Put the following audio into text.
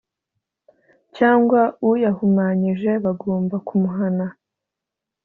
cyangwa uyahumanyije bagomba kumuhana